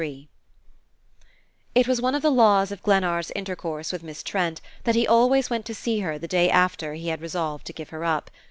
III It was one of the laws of Glennard's intercourse with Miss Trent that he always went to see her the day after he had resolved to give her up.